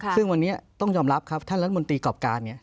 ซึ่งวันนี้ต้องยอมรับครับท่านรัฐมนตรีกรอบการ